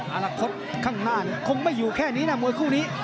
อนาคตข้างหน้าคงไม่อยู่แค่นี้นะมวยคู่นี้